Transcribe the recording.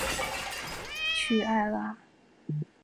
屈埃拉。